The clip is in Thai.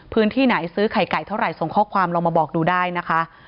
พื้นที่ไหนซื้อไข่ไก่เท่าไหร่ส่งข้อความลองมาบอกดูได้นะคะ